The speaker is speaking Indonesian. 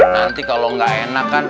nanti kalo enggak enak kan